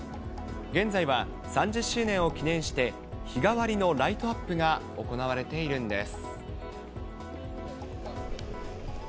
現在は３０周年を記念して、日替わりのライトアップが行われているんです。